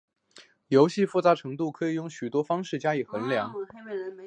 游戏复杂度可以用许多方法加以衡量。